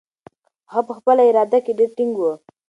هغه په خپله اراده کې ډېر ټینګ و.